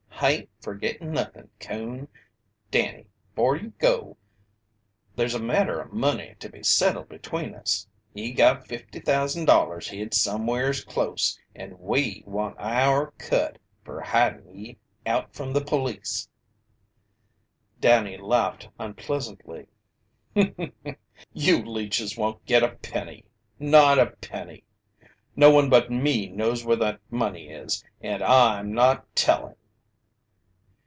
"Hain't fergittin' nothin', Coon. Danny, 'fore you go, there's a matter o' money to be settled between us. Ye got $50,000 hid somewheres close, and we want our cut fer hidin' ye out from the police." Danny laughed unpleasantly. "You leeches won't get a penny! Not a penny! No one but me knows where that money is, and I'm not telling!"